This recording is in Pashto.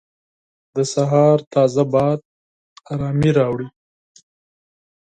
د سهار تازه هوا ارامۍ راوړي.